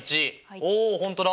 おお本当だ！